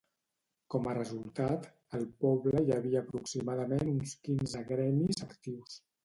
Com a resultat, al poble hi havia aproximadament uns quinze gremis actius.